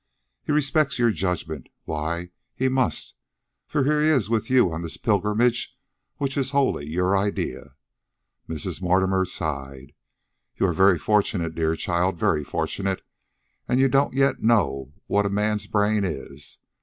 He respects your judgment. Why, he must, for here he is with you on this pilgrimage which is wholly your idea." Mrs. Mortimer sighed. "You are very fortunate, dear child, very fortunate. And you don't yet know what a man's brain is.